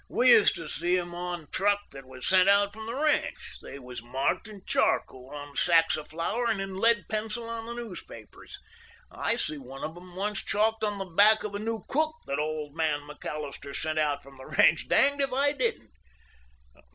We used to see 'em on truck that was sent out from the ranch. They was marked in charcoal on the sacks of flour and in lead pencil on the newspapers. I see one of 'em once chalked on the back of a new cook that old man McAllister sent out from the ranch—danged if I didn't."